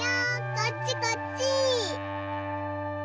こっちこっち！